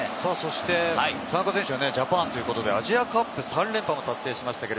田中選手はジャパンということで、アジアカップ３連覇も達成しました。